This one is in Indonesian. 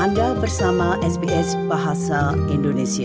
anda bersama sbs bahasa indonesia